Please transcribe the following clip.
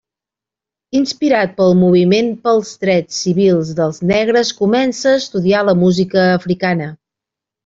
Inspirat pel moviment pels drets civils dels negres, comença a estudiar la música africana.